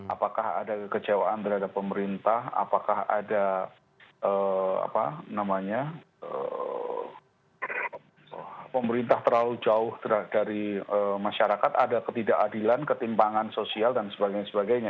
apakah ada kekecewaan terhadap pemerintah apakah ada pemerintah terlalu jauh dari masyarakat ada ketidakadilan ketimpangan sosial dan sebagainya